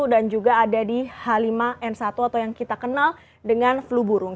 dan juga ada di h lima n satu atau yang kita kenal dengan flu burung